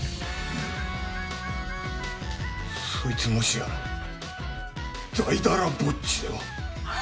そいつもしやだいだらぼっちでは？